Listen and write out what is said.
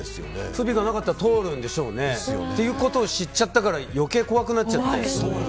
不備がなかったら通るということを知っちゃったから余計、怖くなっちゃった。